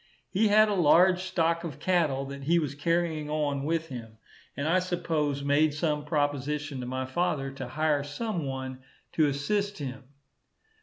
He had a large stock of cattle, that he was carrying on with him; and I suppose made some proposition to my father to hire some one to assist him.